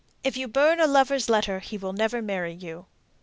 If you burn a lover's letter, he will never marry you.